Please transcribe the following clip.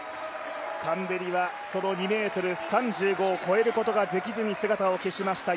タンベリはその２ｍ３５を越えることができずに姿を消しました。